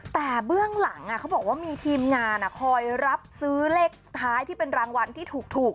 แต่เบื้องหลังเขาบอกว่ามีทีมงานคอยรับซื้อเลขท้ายที่เป็นรางวัลที่ถูก